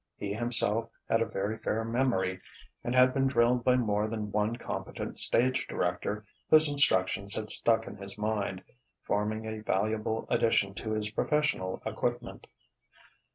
He himself had a very fair memory and had been drilled by more than one competent stage director whose instructions had stuck in his mind, forming a valuable addition to his professional equipment.